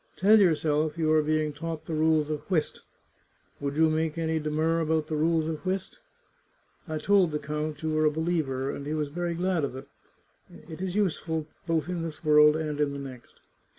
Tell yourself you are being taught the rules of whist; would you make any demur about the rules of whist ? I told the count you were a believer, and he was very glad of it ; it is useful both in this world and in the next.